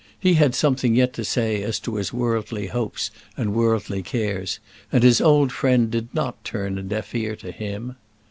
He had something yet to say as to his worldly hopes and worldly cares; and his old friend did not turn a deaf ear to him.